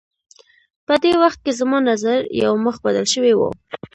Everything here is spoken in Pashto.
په دې وخت کې زما نظر یو مخ بدل شوی و.